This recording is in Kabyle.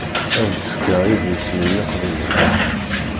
Ad d-fkeɣ idlisen-iw iqdimen.